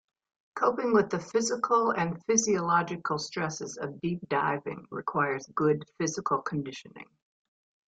Coping with the physical and physiological stresses of deep diving requires good physical conditioning.